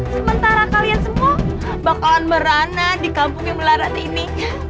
sementara kalian semua bakalan merana di kampung yang melarat ini